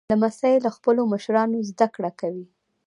لمسی له خپلو مشرانو زدهکړه کوي.